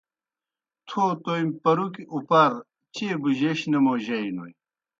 تھو تومیْ پَرُکیْ اُپار چیئے بُجَیش نہ موجائینوئے۔